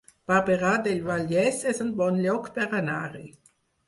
Barberà del Vallès es un bon lloc per anar-hi